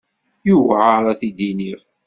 Yewɛeṛ ad t-id-iniɣ.